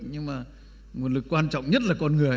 nhưng mà nguồn lực quan trọng nhất là con người